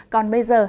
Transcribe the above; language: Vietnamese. còn bây giờ